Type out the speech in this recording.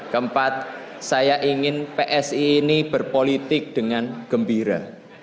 keempat saya ingin psi ini berpolitik dengan gembira